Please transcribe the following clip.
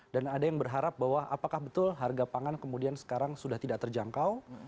dan ada yang berharap bahwa apakah betul harga pangan kemudian sekarang sudah tidak terjangkau